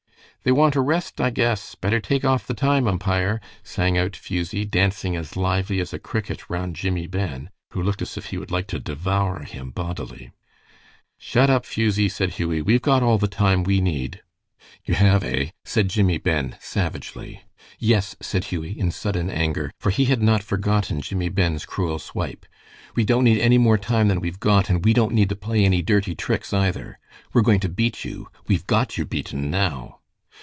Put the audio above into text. "They want a rest, I guess. Better take off the time, umpire," sang out Fusie, dancing as lively as a cricket round Jimmie Ben, who looked as if he would like to devour him bodily. "Shut up, Fusie!" said Hughie. "We've got all the time we need." "You have, eh?" said Jimmie Ben, savagely. "Yes," said Hughie, in sudden anger, for he had not forgotten Jimmie Ben's cruel swipe. "We don't need any more time than we've got, and we don't need to play any dirty tricks, either. We're going to beat you. We've got you beaten now."